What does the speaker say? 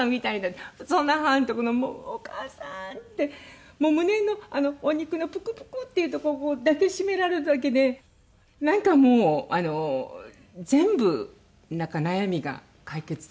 そんな母のところにもうお母さん！ってもう胸のお肉のプクプクっていうとこを抱き締められるだけでなんかもう全部悩みが解決できるそういうような母で。